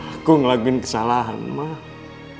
aku ngelakuin kesalahan mama